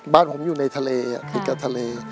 บ้านผมอยู่ในทะเลติดกับทะเล